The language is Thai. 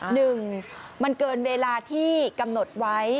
หนึ่งมันเกินเวลาที่กำหนดไว้